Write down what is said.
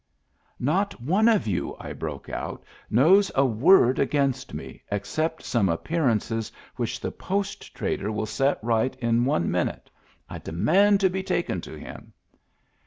" Not one of you," I broke out, knows a word against me, except some appearances which the post trader will set right in one minute. I de mand to be taken to him."